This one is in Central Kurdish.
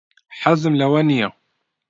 حەزم لەوە نییە.